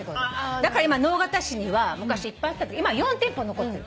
だから直方市には昔いっぱいあった今は４店舗残ってる。